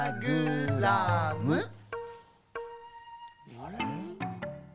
あれ？